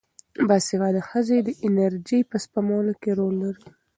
باسواده ښځې د انرژۍ په سپمولو کې رول لري.